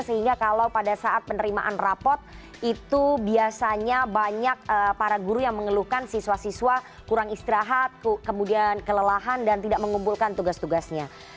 sehingga kalau pada saat penerimaan rapot itu biasanya banyak para guru yang mengeluhkan siswa siswa kurang istirahat kemudian kelelahan dan tidak mengumpulkan tugas tugasnya